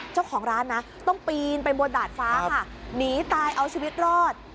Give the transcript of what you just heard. เจ้าของร้านนะต้องปีนไปบนดาดฟ้าค่ะหนีตายเอาชีวิตรอด